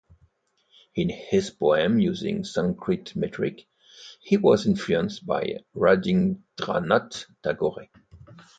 In his poems using Sanskrit metrics, he was influenced by Rabindranath Tagore.